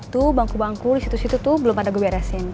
tuh bangku bangku di situ situ tuh belum ada gue beresin